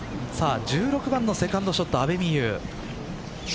１６番のセカンドショット阿部未悠。